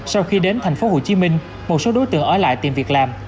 sau khi đến thành phố hồ chí minh một số đối tượng ở lại tìm việc làm